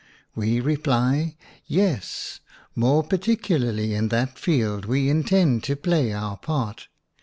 We reply: Yes; more particularly in that field we intend to play our part.